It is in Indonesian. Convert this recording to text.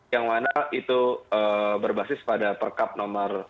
yang mana itu berbasis pada perkab nomor